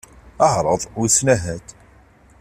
Ԑreḍ, wissen ahat.